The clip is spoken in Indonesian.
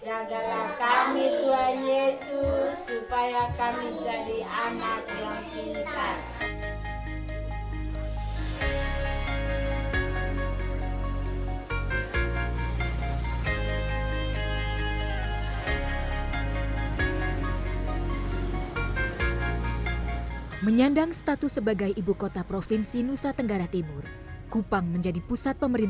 jagalah kami tuhan yesus supaya kami jadi anak yang diinginkan